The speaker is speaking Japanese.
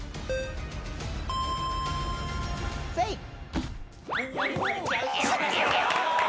せいっ！